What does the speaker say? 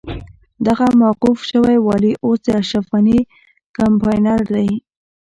دغه موقوف شوی والي اوس د اشرف غني کمپاينر دی.